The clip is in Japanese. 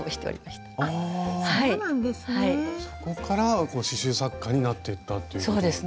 そこから刺しゅう作家になっていったっていうことなんですね。